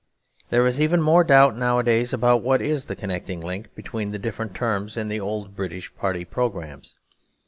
There is even more doubt nowadays about what is the connecting link between the different items in the old British party programmes.